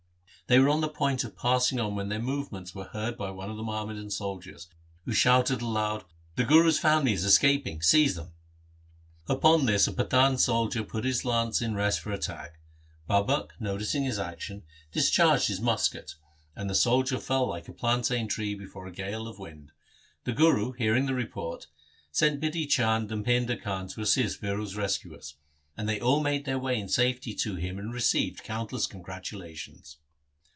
They were on the point of passing on when their movements were heard by one of the Muhammadan soldiers, who shouted aloud, 'The Guru's family is escaping, seize them.' Upon this a Pathan soldier put his lance in rest for attack. Babak, noticing his action, discharged his musket, and the soldier fell like a plantain tree before a gale of wind. The Guru, hearing the report, sent Bidhi Chand and Painda Khan to assist Viro's rescuers ; and they all made their way in safety to him and received countless congratulations.